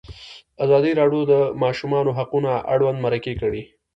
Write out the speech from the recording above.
ازادي راډیو د د ماشومانو حقونه اړوند مرکې کړي.